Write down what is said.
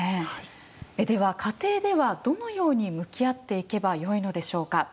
では家庭ではどのように向き合っていけばよいのでしょうか。